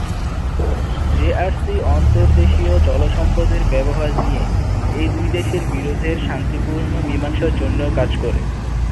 JRC আন্তর্দেশীয় জলসম্পদের ব্যবহার নিয়ে এই দুই দেশের বিরোধের শান্তিপূর্ণ মীমাংসার জন্যেও কাজ করে।